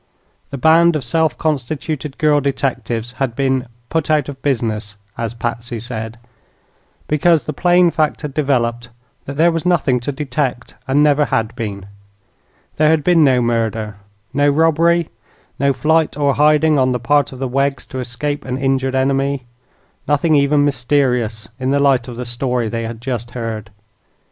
The band of self constituted girl detectives had been "put out of business," as Patsy said, because the plain fact had developed that there was nothing to detect, and never had been. There had been no murder, no robbery, no flight or hiding on the part of the Weggs to escape an injured enemy; nothing even mysterious, in the light of the story they had just heard.